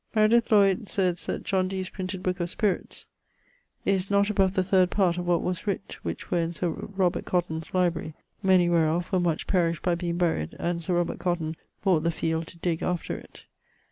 Meredith Lloyd sayes that John Dee's printed booke of Spirits, is not above the third part of what was writt, which were in Sir Robert Cotton's library; many whereof were much perished by being buryed, and Sir Robert Cotton bought the field to digge after it.